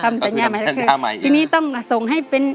ทำสัญญาหมายอีกทีนี้ต้องส่งให้เป็น